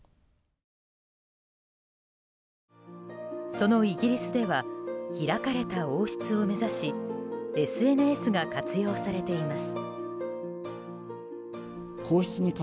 そのイギリスでは開かれた王室を目指しＳＮＳが活用されています。